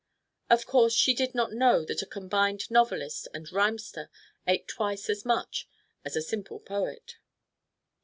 Of course she did not know that a combined novelist and rhymster ate twice as much as a simple poet.